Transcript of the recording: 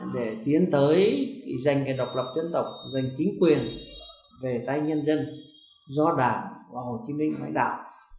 đến tới dành cái độc lập dân tộc dành chính quyền về tay nhân dân do đảng và hồ chí minh khởi đạo